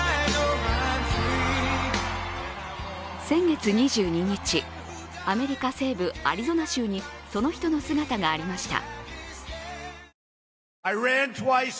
先月２２日、アメリカ西部アリゾナ州にその人の姿がありました。